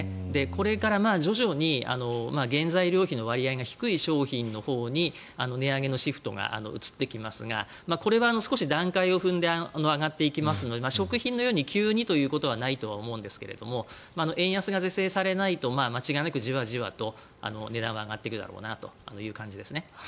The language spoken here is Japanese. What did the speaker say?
これから徐々に原材料費の割合が低い商品のほうに値上げのシフトが移ってきますがこれは少し段階を踏んで上がっていきますので食品のように急にということはないと思うんですが円安が是正されないと間違いなくじわじわと値段は上がっていくだろうなという感じですね。